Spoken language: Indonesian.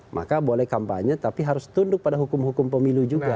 maka boleh kampanye tapi harus tunduk pada hukum hukum pemilu juga